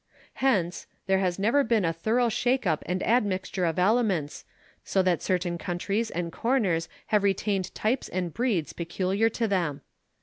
Hence, there has never been a thorough shake up and admixture of elements, so that certain counties and corners have retained types and breeds peculiar to them.